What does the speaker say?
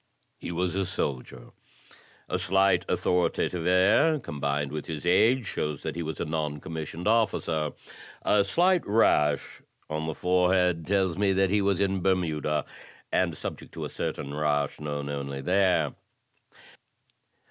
He was a 112 THE TECHNIQUE OF THE MYSTERY STORY soldier. A slight authoritative air, combined with his age, shows that he was a non commissioned officer. A slight rash on the forehead tells me that he was in Bermuda, and subject to a certain rash known only there."